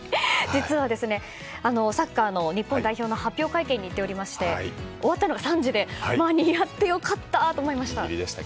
実は、サッカーの日本代表の発表会見に行っておりまして終わったのが３時で間に合って良かったと思いました。